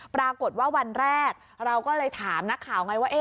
ปรากฏว่าวันแรกเราก็เลยถามนักข่าวไงว่า